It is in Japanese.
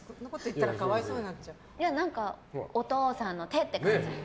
澤部さん何かお父さんの手って感じ。